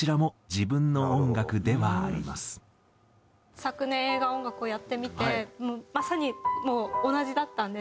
昨年映画音楽をやってみてまさにもう同じだったんです。